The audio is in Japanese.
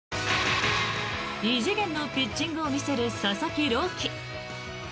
異次元のピッチングを見せる佐々木朗希。